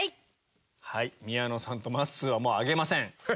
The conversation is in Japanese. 宮野さんとまっすーはもう挙げません。